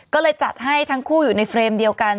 ก็เลยจัดให้ทั้งคู่อยู่ในเฟรมเดียวกัน